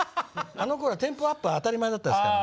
あのころはテンポアップは当たり前だったですから。